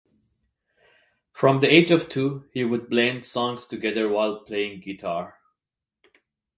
From the age of two he would blend songs together while playing the guitar.